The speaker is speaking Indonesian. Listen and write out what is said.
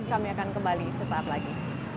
kami akan kembali sesaat lagi